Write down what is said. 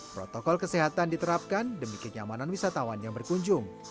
protokol kesehatan diterapkan demi kenyamanan wisatawan yang berkunjung